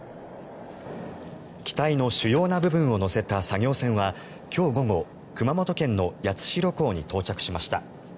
機体の主要な部分を載せた作業船は今日午後、熊本県の八代港に到着しました。